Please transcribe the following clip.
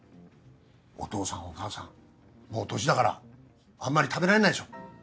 お父さんお母さんもう年だからあんまり食べられないでしょ？